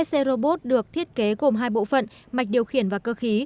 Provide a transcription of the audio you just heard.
sc robot được thiết kế gồm hai bộ phận mạch điều khiển và cơ khí